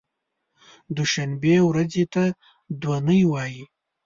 دوشنبې ورځې ته دو نۍ وایی